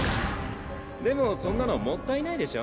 でもそんなのもったいないでしょ？